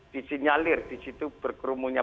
disini nyalir disitu berkerumunya